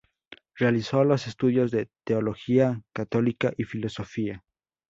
Realizó los estudios de teología católica y filosofía.